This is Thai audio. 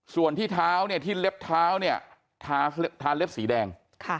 ส่วนที่เท้าเนี่ยที่เล็บเท้าเนี่ยทาเล็บสีแดง